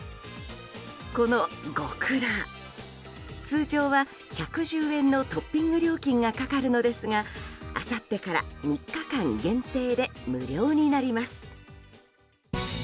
この獄辣、通常は１１０円のトッピング料金がかかるのですがあさってから３日間限定で無料になります。